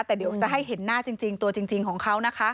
แต่เดี๋ยวจะให้เห็นหน้าจริงตัวจริงของเขานะคะ